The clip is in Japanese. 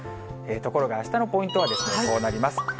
ところがあしたのポイントはこうなります。